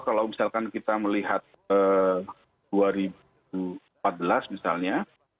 kalau misalkan kita melihat dua ribu empat belas misalnya